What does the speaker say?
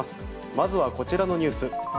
まずはこちらのニュース。